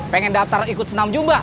pengen daftar ikut senam juga